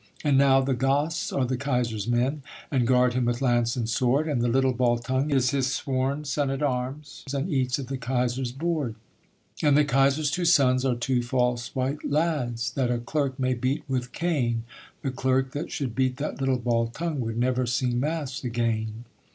And now the Goths are the Kaiser's men, And guard him with lance and sword, And the little Baltung is his sworn son at arms, And eats at the Kaiser's board, And the Kaiser's two sons are two false white lads That a clerk may beat with cane. The clerk that should beat that little Baltung Would never sing mass again.